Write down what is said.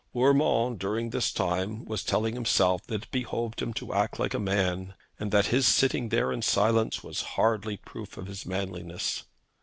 Urmand, during this time, was telling himself that it behoved him to be a man, and that his sitting there in silence was hardly proof of his manliness.